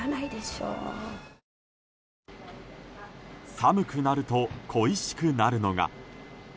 寒くなると恋しくなるのが。